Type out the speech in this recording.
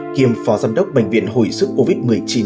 kiêm phó giám đốc bệnh viện hồi sức covid một mươi chín